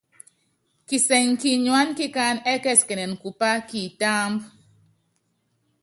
Kisɛŋɛ kinyuáná kikánɛ ɛ́kɛsikɛnɛnɛ kupá kitáámbú.